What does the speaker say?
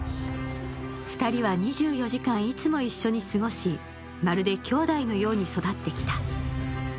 ２人は２４時間いつも一緒に過ごし、まるで兄弟のように育ってきた。